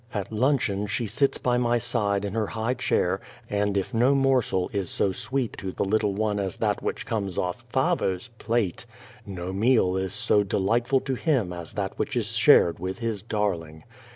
At luncheon she sits at my side in her high chair, and if no morsel is so sweet to the little one as that which comes off " FaVer's " plate, no meal is so delightful to him as that which is shared with ii The Child Face his darling.